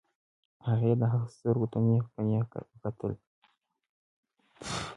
هغې د هغه سترګو ته نېغ په نېغه وکتل.